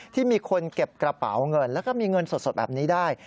ที่มีคนเก็บกระเป๋าเงินแล้วก็มีเงินสดแบบนี้ได้